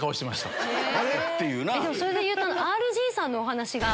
でもそれでいうとＲＧさんのお話が。